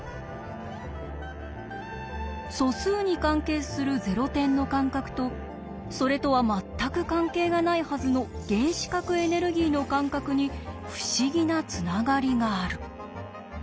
素数に関係するゼロ点の間隔とそれとは全く関係がないはずの原子核エネルギーの間隔に不思議なつながりがある。